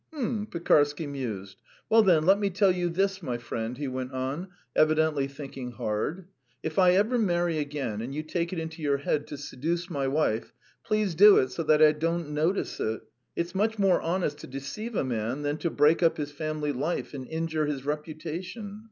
"Hm! ...." Pekarsky mused. "Well, then, let me tell you this, my friend," he went on, evidently thinking hard: "if I ever marry again and you take it into your head to seduce my wife, please do it so that I don't notice it. It's much more honest to deceive a man than to break up his family life and injure his reputation.